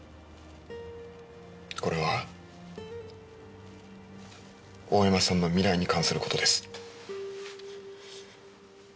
これは大山さんの未来に関する事です。